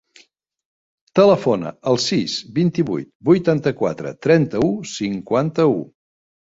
Telefona al sis, vint-i-vuit, vuitanta-quatre, trenta-u, cinquanta-u.